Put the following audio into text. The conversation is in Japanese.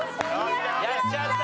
やっちまった！